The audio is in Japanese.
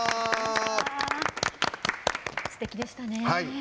すてきでしたね。